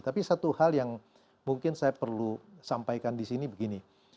tapi satu hal yang mungkin saya perlu sampaikan di sini begini